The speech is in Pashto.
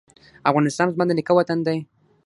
افغانستان زما د نیکه وطن دی؟